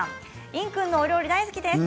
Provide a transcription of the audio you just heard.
いんくんのお料理大好きです